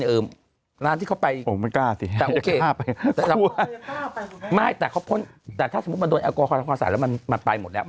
หรือร้านที่เข้าไปไปแต่โอเคไม่แต่พ่มว่าอะก่อนพอสายแล้วมันตายหมดแล้ว